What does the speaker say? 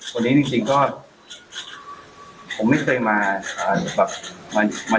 คนนี้จริงจริงก็ผมไม่เคยมาเอ่ออ่าแบบแบบมา